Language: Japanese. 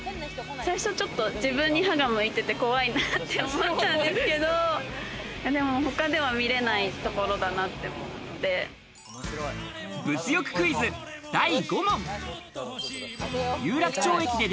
最初ちょっと自分に刃が向いてて怖いなって思ったんですけど、他では見れないところだなって思うので。